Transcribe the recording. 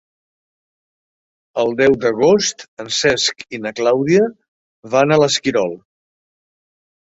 El deu d'agost en Cesc i na Clàudia van a l'Esquirol.